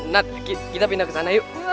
nah kita pindah ke sana yuk